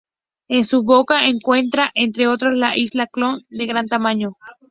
En su boca se encuentra, entre otras, la isla Cook de gran tamaño.